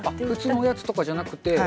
普通のおやつとかじゃなくて。